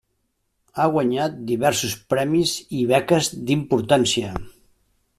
Ha guanyat diversos premis i beques d'importància.